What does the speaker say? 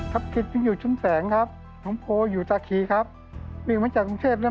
ตัวเลือกที่สองสถานีหนองโพครับ